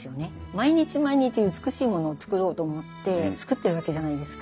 毎日毎日美しいものを作ろうと思って作ってるわけじゃないですか。